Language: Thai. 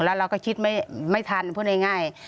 แล้วเราก็คิดไม่ทันพูดง่าย